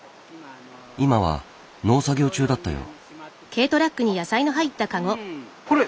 今は農作業中だったよう。